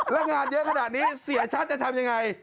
แล้วงานเยอะขนาดนี้เสียชัดจะทำยังไง